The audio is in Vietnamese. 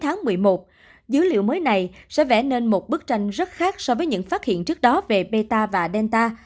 trong thời gian đến cuối tháng một mươi một dữ liệu mới này sẽ vẽ nên một bức tranh rất khác so với những phát hiện trước đó về beta và delta